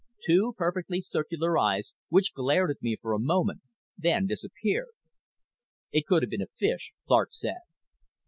Two perfectly circular eyes, which glared at me for a moment, then disappeared." "It could have been a fish," Clark said.